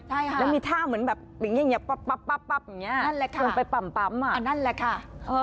แล้วมีท่าแบบแบบแบบนี้ปั๊บนั้นแหละค่ะ